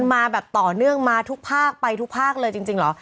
มาแบบต่อเนื่องมาทุกภาคไปทุกภาคเลยจริงเหรอ